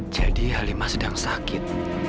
jadi halimah sedang sakit